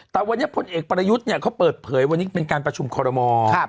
แต่วันนี้พลเอกประยุทธ์เนี่ยเขาเปิดเผยวันนี้เป็นการประชุมคอรมอล์